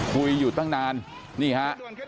คุยอยู่ตั้งนานนี่ฮะ